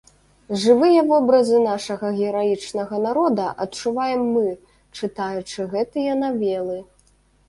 Жывыя вобразы нашага гераічнага народа адчуваем мы, чытаючы гэтыя навелы.